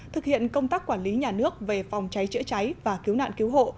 thực hiện công tác quản lý nhà nước về phòng cháy chữa cháy và cứu nạn cứu hộ